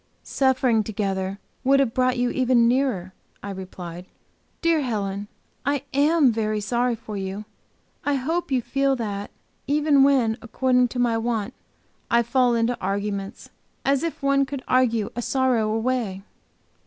"Suffering together would have brought you even nearer," I replied. "Dear Helen, I am very sorry for you; I hope you feel that, even when, according to my want, I fall into arguments, as if one could argue a sorrow away!"